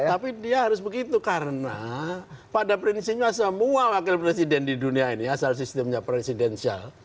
tapi dia harus begitu karena pada prinsipnya semua wakil presiden di dunia ini asal sistemnya presidensial